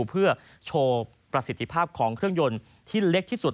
เพื่อโชว์ประสิทธิภาพของเครื่องยนต์ที่เล็กที่สุด